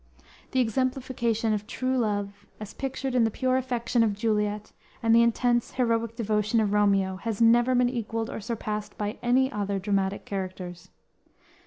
The exemplification of true love, as pictured in the pure affection of Juliet and the intense, heroic devotion of Romeo, have never been equaled or surpassed by any other dramatic characters.